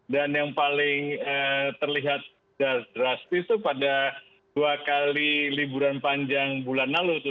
dan yang paling terlihat drastis itu pada dua kali liburan panjang bulan lalu